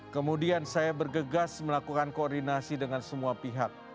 kemudian saya bergegas melakukan koordinasi dengan semua pihak